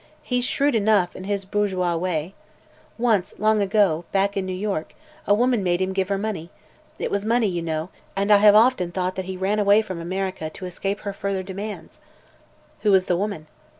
He's shrewd enough, in his bourgeois way. Once, long ago back in New York a woman made him give her money; it was money, you know; and I have often thought he ran away from America to escape her further demands." "Who was the woman?"